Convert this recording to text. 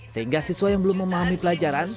sehingga siswa yang belum memahami pelajaran